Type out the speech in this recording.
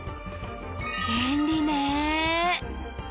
便利ね。